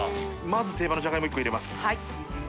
まず定番のじゃがいも１個入れます。